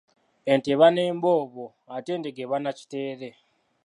Ente eba n’emboobo ate endiga eba na kitere.